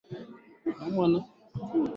Mwaezi wa saba mwaka elfu mbili kumi na nane